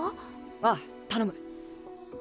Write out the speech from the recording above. ああ頼む。